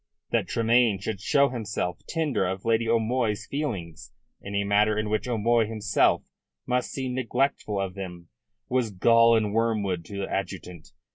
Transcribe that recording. That Tremayne should show himself tender of Lady O'Moy's feelings in a matter in which O'Moy himself must seem neglectful of them was gall and wormwood to the adjutant.